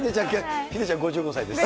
ヒデちゃん、５５歳です。